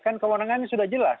kan kewenangannya sudah jelas